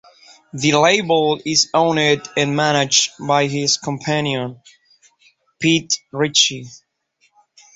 The label is owned and managed by his companion, Pete Ritchey.